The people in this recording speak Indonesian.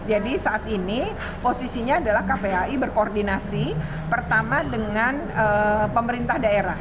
jadi saat ini posisinya adalah kpai berkoordinasi pertama dengan pemerintah daerah